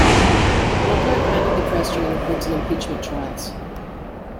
Lockhart handled the press during the Clinton impeachment trials.